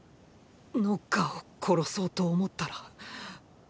ノッカーを殺そうと思ったらッ